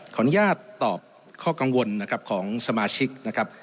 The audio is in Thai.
ขออนุญาตตอบข้อกังวลนะครับของสมาชิกนะครับ